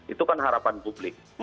itu kan harapan publik